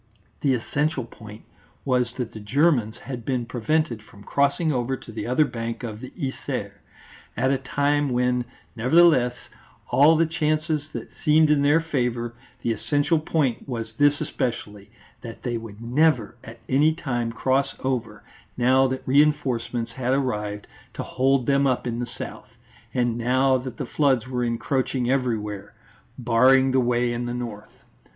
The essential point was that the Germans had been prevented from crossing over to the other bank of the Yser, at a time when, nevertheless, all the chances had seemed in their favour; the essential point was this especially, that they would never at any time cross over, now that reinforcements had arrived to hold them up in the south, and now that the floods were encroaching everywhere, barring the way in the north.